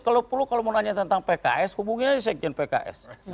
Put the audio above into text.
kalau perlu kalau mau nanya tentang pks hubungi aja sekjen pks